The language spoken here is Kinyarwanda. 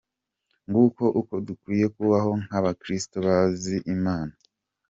Nguko uko dukwiye kubaho nk’abakiristo bazi Imana.